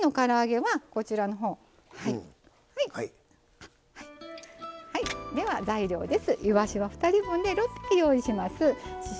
はいでは材料です。